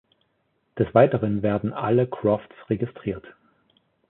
Des Weiteren werden alle Crofts registriert.